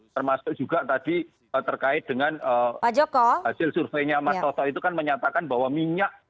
termasuk juga tadi terkait dengan hasil surveinya mas toto itu kan menyatakan bahwa minyak